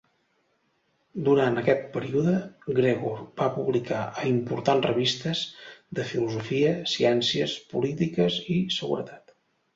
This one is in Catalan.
Durant aquest període, Gregor va publicar a importants revistes de filosofia, ciències polítiques i seguretat.